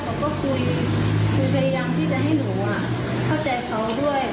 เขาก็คุยคุยพยายามที่จะให้หนูเข้าใจเขาด้วย